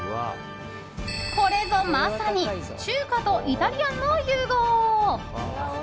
これぞ、まさに中華とイタリアンの融合！